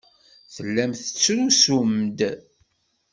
Tellam tettrusum-d.